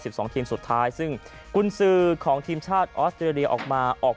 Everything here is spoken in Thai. สองทีมสุดท้ายซึ่งกุญสือของทีมชาติออสเตรเลียออกมาออก